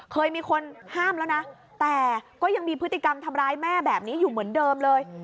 เคยมีคนห้ามแล้วนะแต่ก็ยังมีพฤติกรรมทำร้ายแม่แบบนี้อยู่เหมือนเดิมเลย